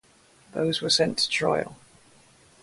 Those were sent to trial.